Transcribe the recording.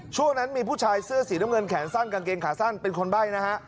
ช่วงนั้นมีผู้ชายเสื้อสีน้ำเงินแขนสั้นกางเกงขาสั้นเป็นคนใบ้นะฮะ